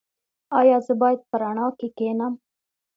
ایا زه باید په رڼا کې کینم؟